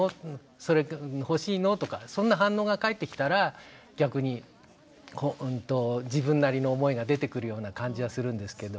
それ欲しいの？とかそんな反応が返ってきたら逆に自分なりの思いが出てくるような感じはするんですけど。